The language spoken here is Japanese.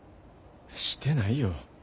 してないよ。